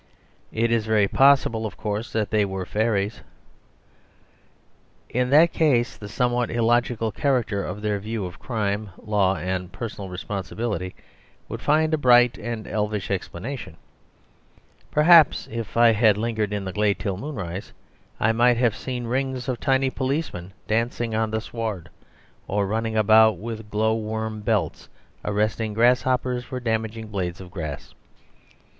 It is very possible, of course, that they were fairies. In that case the somewhat illogical character of their view of crime, law, and personal responsibility would find a bright and elfish explanation; perhaps if I had lingered in the glade till moonrise I might have seen rings of tiny policemen dancing on the sward; or running about with glow worm belts, arresting grasshoppers for damaging blades of grass.